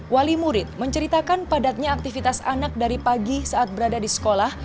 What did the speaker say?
wali murid menceritakan padatnya aktivitas anak dari pagi saat berada di sekolah